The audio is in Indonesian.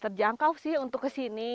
terjangkau sih untuk kesini